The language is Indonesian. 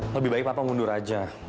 lebih baik papa mundur aja